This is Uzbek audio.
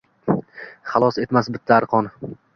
Xalos etmas bitta arqon